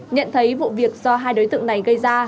nhận thấy vụ việc do hai đối tượng này gây ra